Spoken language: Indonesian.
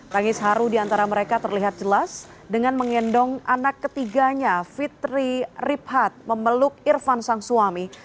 rangis haru di antara mereka terlihat jelas dengan mengendong anak ketiganya fitri ripat memeluk irfan sang suami